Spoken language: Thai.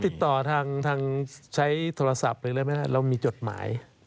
ติดต่อทางใช้โทรศัพท์หรืออะไรไม่ได้เรามีจดหมาย